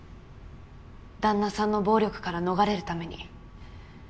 旦那さんの暴力から逃れるために。